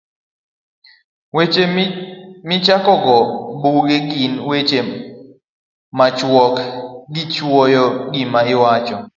Weche Michakogo Buge gin weche machuok to gichuoyo gima iwacho.